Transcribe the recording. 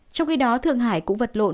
trong khi đó thượng hải cũng vật lộn